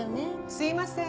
すいません。